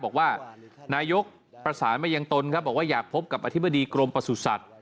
บอกว่านายกประสานมายังตนครับบอกว่าอยากพบกับอธิบดีกรมประสุทธิ์สัตว